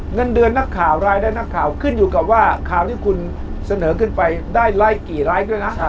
เงินเดือนนักข่าวรายได้นักข่าวขึ้นอยู่กับว่าข่าวที่คุณเสนอขึ้นไปได้ไลค์กี่ไร้ด้วยนะ